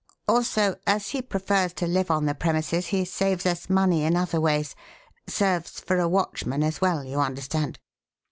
Also, as he prefers to live on the premises, he saves us money in other ways. Serves for a watchman as well, you understand."